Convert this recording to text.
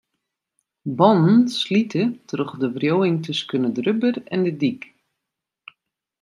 Bannen slite troch de wriuwing tusken it rubber en de dyk.